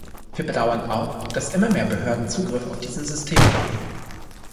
Wir bedauern auch, dass immer mehr Behörden Zugriff auf diese Systeme haben.